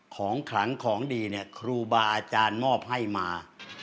ของขังของดีคุบาอาจารย์มอบให้มา